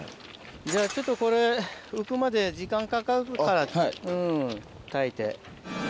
じゃあちょっとこれ浮くまで時間かかるから炊いて。